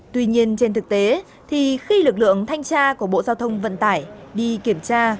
tuy nhiên trên thực tế thì khi lực lượng thanh tra của bộ giao thông vận tải đi kiểm tra